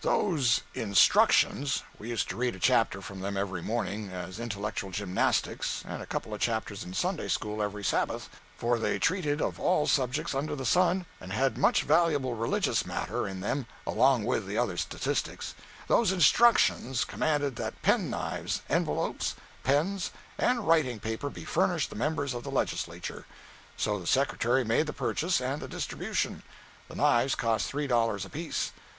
Those "instructions" (we used to read a chapter from them every morning, as intellectual gymnastics, and a couple of chapters in Sunday school every Sabbath, for they treated of all subjects under the sun and had much valuable religious matter in them along with the other statistics) those "instructions" commanded that pen knives, envelopes, pens and writing paper be furnished the members of the legislature. So the Secretary made the purchase and the distribution. The knives cost three dollars apiece.